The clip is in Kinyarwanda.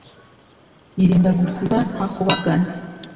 yirinda gusiba, ntakubagane